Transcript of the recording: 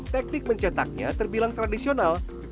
teknik mencetaknya terbilang tradisional